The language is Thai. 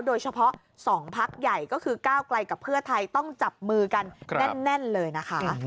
โดยเฉพาะ๒พักใหญ่ก็คือก้าวไกลกับเพื่อไทยต้องจับมือกันแน่นเลยนะคะ